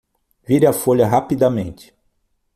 Vire a folha rapidamente